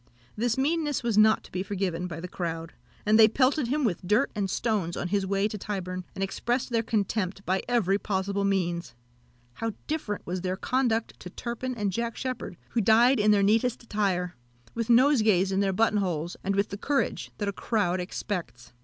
This meanness was not to be forgiven by the crowd; and they pelted him with dirt and stones on his way to Tyburn, and expressed their contempt by every possible means. How different was their conduct to Turpin and Jack Sheppard, who died in their neatest attire, with nosegays in their button holes, and with the courage that a crowd expects.